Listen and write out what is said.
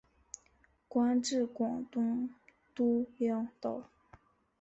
官至广东督粮道。